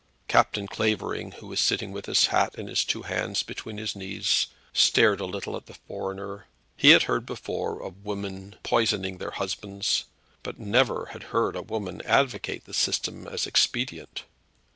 Captain Clavering, who was sitting with his hat in his two hands between his knees, stared at the little foreigner. He had heard before of women poisoning their husbands, but never had heard a woman advocate the system as expedient.